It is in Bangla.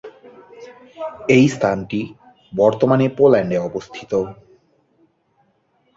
এই স্থানটি বর্তমানে পোল্যান্ডে অবস্থিত।